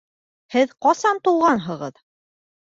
Һеҙ ҡасан тыуғанһығыҙ?